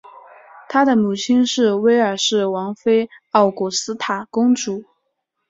他的母亲是威尔士王妃奥古斯塔公主。